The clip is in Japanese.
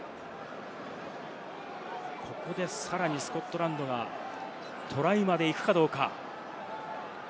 ここでさらにスコットランドがトライまで行くかどうか。